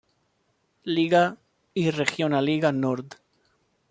Liga y Regionalliga Nord.